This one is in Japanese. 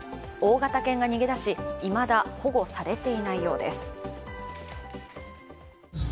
大型犬が逃げ出し、いまだ保護されていないようです。